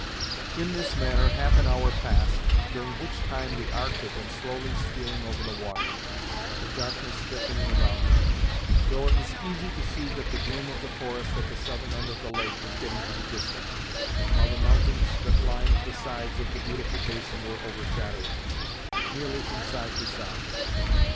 In this manner half an hour passed, during which time the Ark had been slowly stealing over the water, the darkness thickening around it; though it was easy to see that the gloom of the forest at the southern end of the lake was getting to be distant, while the mountains that lined the sides of the beautiful basin were overshadowing it, nearly from side to side.